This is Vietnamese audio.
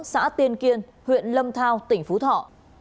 xã tiên kiên huyện lâm thao tỉnh phú thọ